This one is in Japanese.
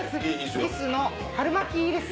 キスの春巻きです。